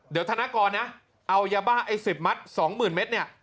เดี๋ยวธนากรนะเอายาบ้าไอ้๑๐มัตต์๒๐๐๐เมตรเนี่ย